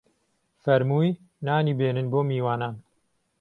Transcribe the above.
فەرمووی: نانی بێنن بۆ میوانان